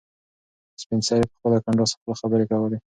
سپین سرې په خپله کنډاسه خوله خبرې کولې.